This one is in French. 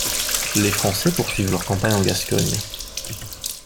Les Français poursuivent leur campagne en Gascogne.